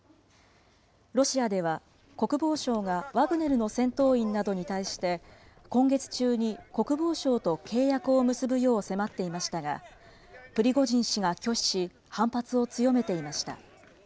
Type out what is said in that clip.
ロシアでは国防省がワグネルの戦闘員などに対して、今月中に国防省と契約を結ぶよう迫っていましたが、プリゴジン氏が拒否し、反発を強めていました。